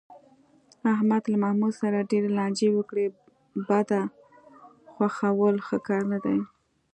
احمد له محمود سره ډېرې لانجې وکړې، بده خوښول ښه کار نه دی.